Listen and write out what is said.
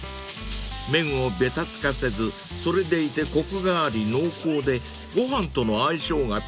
［麺をベタつかせずそれでいてコクがあり濃厚でご飯との相性がぴったり］